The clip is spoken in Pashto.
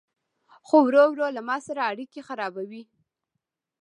خو ورو ورو له ما سره اړيکي خرابوي